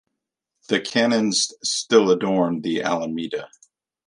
The cannons still adorn the Alameda.